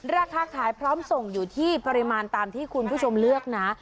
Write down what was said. ราคาขายพร้อมส่งอยู่ที่ปริมาณตามที่คุณผู้ชมเลือกนะ